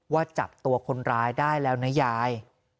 ว่าจับตัวคนร้ายได้แล้วนะยาย